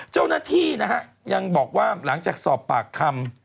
เจ้าหน้าที่นะฮะยังบอกว่าหลังจากสอบปากคำ